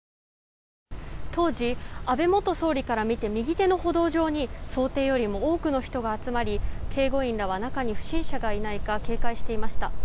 当時、安倍元総理から見て右手の歩道上に想定よりも多くの人が集まり警護員らは中に不審者がいないか警戒していました。